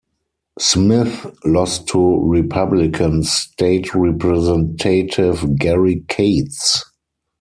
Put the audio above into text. Smith lost to Republican state Representative Gary Cates.